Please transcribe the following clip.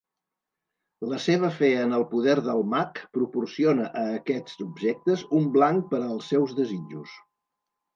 La seva fe en el poder del mag proporciona a aquests objectes un blanc per als seus desitjos.